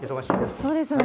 そうですよね。